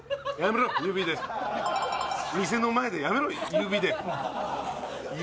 指で。